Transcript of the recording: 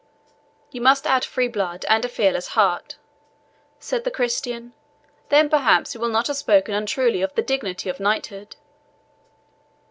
"You must add free blood and a fearless heart," said the Christian; "then, perhaps, you will not have spoken untruly of the dignity of knighthood."